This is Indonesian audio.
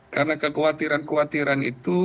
karena kekhawatiran kekhawatiran itu